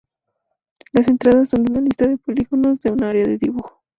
Las entradas son una lista de polígonos y un área de dibujo.